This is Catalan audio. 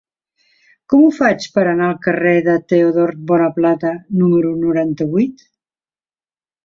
Com ho faig per anar al carrer de Teodor Bonaplata número noranta-vuit?